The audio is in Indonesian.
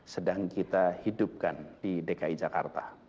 sedang kita hidupkan di dki jakarta